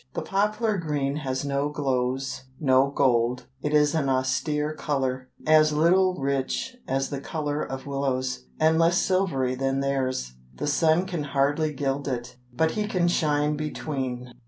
The poplar green has no glows, no gold; it is an austere colour, as little rich as the colour of willows, and less silvery than theirs. The sun can hardly gild it; but he can shine between.